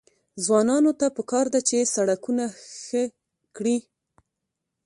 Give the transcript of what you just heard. ځوانانو ته پکار ده چې، سړکونه ښه کړي.